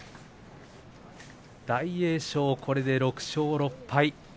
大栄翔、これで６勝６敗。